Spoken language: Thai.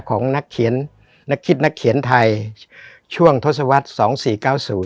ของนักคิดนักเขียนไทยช่วงทศวรรษส๒๔๙๐